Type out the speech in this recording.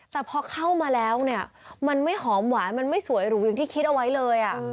แต่พอเข้ามาแล้วเนี่ยมันไม่หอมหวานมันไม่สวยหรูอย่างที่คิดเอาไว้เลย